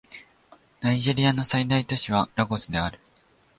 ナイジェリアの最大都市はラゴスである